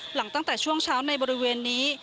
ตั้งแต่ช่วงเช้าในบริเวณนี้